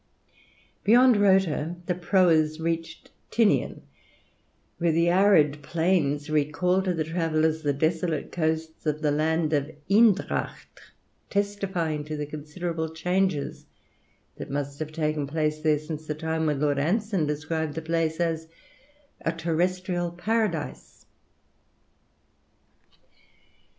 Beyond Rota the proas reached Tinian, where the arid plains recalled to the travellers the desolate coasts of the land of Endracht, testifying to the considerable changes that must have taken place there since the time when Lord Anson described the place as a terrestrial Paradise.